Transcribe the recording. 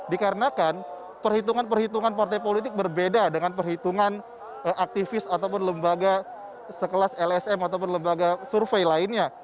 dikarenakan perhitungan perhitungan partai politik berbeda dengan perhitungan aktivis ataupun lembaga sekelas lsm ataupun lembaga survei lainnya